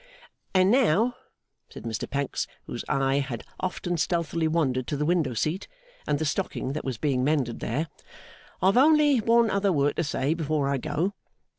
'And now,' said Mr Pancks, whose eye had often stealthily wandered to the window seat and the stocking that was being mended there, 'I've only one other word to say before I go.